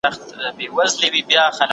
خپل احساسات به په منطقي ډول کنټرولوي.